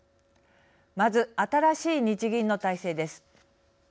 まず、新しい日銀の体制です。